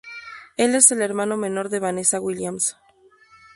Él es el hermano menor de Vanessa Williams.